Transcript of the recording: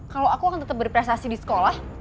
kalau aku akan tetap berprestasi di sekolah